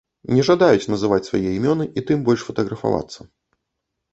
Не жадаюць называць свае імёны і тым больш фатаграфавацца.